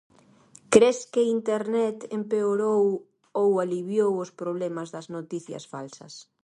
Cres que internet empeorou ou aliviou os problemas das noticias falsas?